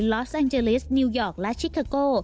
ลอสแอนเจลิสนิวยอร์กและชิคาโก้